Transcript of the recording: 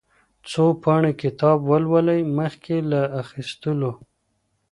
څو پاڼې کتاب ولولئ مخکې له اخيستلو.